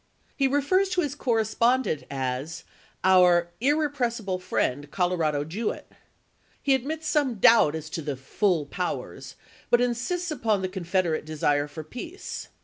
He refers to his correspondent as " our irrepres sible friend, Colorado Jewett." He admits some doubt as to the "full powers," but insists upon the Confederate desire for peace.